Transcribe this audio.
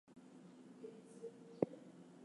Both parties survive in somewhat altered forms.